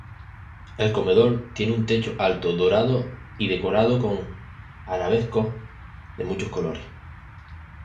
El comedor tiene un techo alto, dorado y decorado con arabescos de muchos colores.